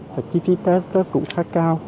và chi phí test cũng khá cao